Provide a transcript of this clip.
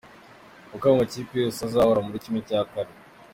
Uko amakipe yose azahura muri kimwe cya kane